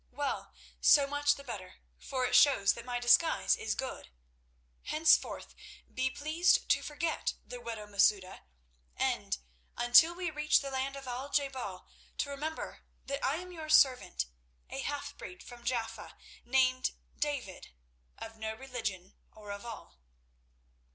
"Well, so much the better, for it shows that my disguise is good. Henceforth be pleased to forget the widow Masouda and, until we reach the land of Al je bal, to remember that I am your servant, a halfbreed from Jaffa named David, of no religion—or of all."